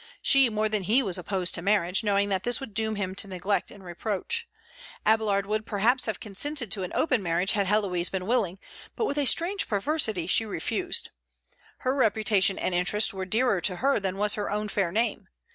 She more than he was opposed to marriage, knowing that this would doom him to neglect and reproach. Abélard would perhaps have consented to an open marriage had Héloïse been willing; but with a strange perversity she refused. His reputation and interests were dearer to her than was her own fair name.